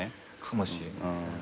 かもしれない。